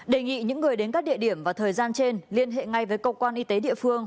đề nghị những người đến các địa điểm và thời gian trên liên hệ ngay với cơ quan y tế địa phương